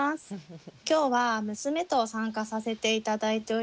今日は娘と参加させて頂いております。